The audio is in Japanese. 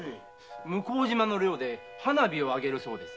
向島の寮で花火を上げるそうです。